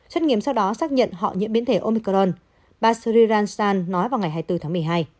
xét nghiệm sau đó xác nhận họ nhiễm biến thể omicron bà serriransan nói vào ngày hai mươi bốn tháng một mươi hai